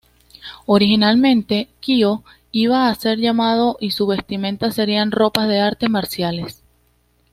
Originalmente Kyo iba a ser llamado y su vestimenta serían ropas de artes marciales.